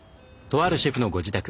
とあるシェフのご自宅。